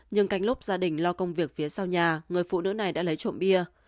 nhưng canh lúc gia đình lo công việc phía sau nhà người phụ nữ này đã lấy trộm bia